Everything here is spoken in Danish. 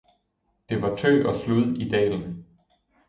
Det var tø og slud i dalen.